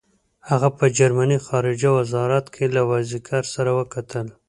هغه په جرمني خارجه وزارت کې له وایزیکر سره وکتل.